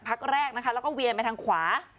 พักแรกนะคะแล้วก็เวียนไปทางขวา